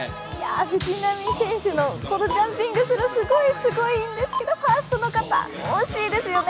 藤浪選手のこのジャンピングスローすごいんですけどファーストの方惜しいですよね。